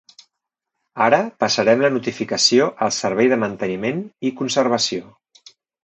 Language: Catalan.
Ara passarem la notificació al Servei de Manteniment i Conservació.